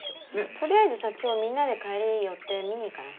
取りあえずさ今日みんなで帰り寄って見に行かない？